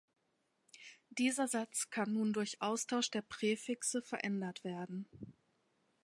Dieser Satz kann nun durch Austausch der Präfixe verändert werden.